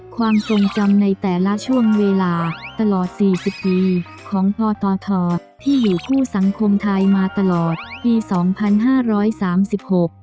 ความทรงจำในแต่ละช่วงเวลาตลอดสี่สิบปีของพตทที่อยู่คู่สังคมไทยมาตลอดปีสองพันห้าร้อยสามสิบหก